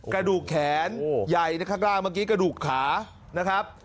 กระดูกแขนใหญ่ข้างล่างเมื่อกี้กระดูกขานะครับ